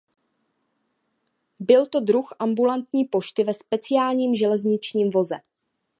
Byl to druh ambulantní pošty ve speciálním železničním voze.